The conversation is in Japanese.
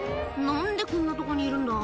なんでこんなとこにいるんだ。